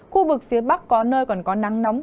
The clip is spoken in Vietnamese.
khu vực phía bắc có nơi còn có nắng nóng